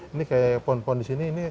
ini kayak pohon pohon di sini